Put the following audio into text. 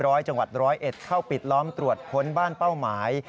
ร้อยจังหวัดร้อยเอ็ดเข้าปิดล้อมตรวจค้นบ้านเป้าหมาย